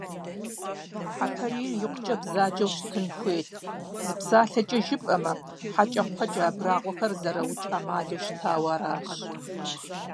Хьэпарийр икъукӀэ бзаджэу щытын хуейт, зы псалъэкӀэ жыпӀэмэ, хьэкӀэкхъуэкӀэ абрагъуэхэр зэраукӀ Ӏэмалу щытауэ аращ.